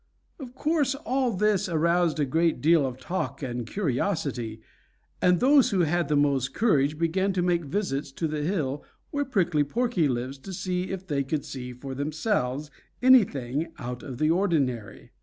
Of course all this aroused a great deal of talk and curiosity, and those who had the most courage began to make visits to the hill where Prickly Porky lives to see if they could see for themselves anything out of the ordinary.